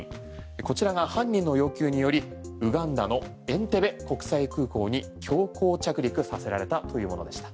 こちらが犯人の要求によりウガンダのエンテベ国際空港に強行着陸させられたというものでした。